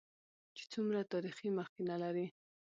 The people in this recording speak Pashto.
چې څومره تاريخي مخينه لري.